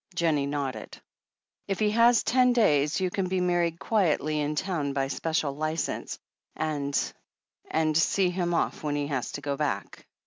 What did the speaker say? Jennie nodded. "If he has ten days you can be married quietly in town by special licence, and — ^and see him off when he has to go back."